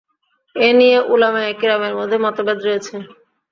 এ নিয়ে উলামায়ে কিরামের মধ্যে মতভেদ রয়েছে।